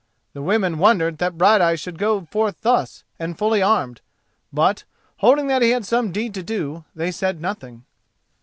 The women wondered that Brighteyes should go forth thus and fully armed, but, holding that he had some deed to do, they said nothing.